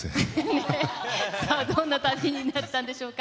ねえ、さあ、どんな旅になったんでしょうか。